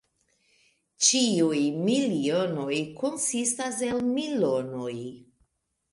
Ĉiuj milionoj konsistas el milonoj.